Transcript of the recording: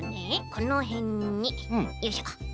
このへんによいしょ。